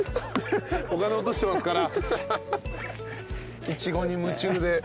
お金落としてますから。